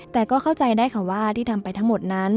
แต่ก็เข้าใจได้ค่ะว่าที่ทำไปทั้งหมดนั้น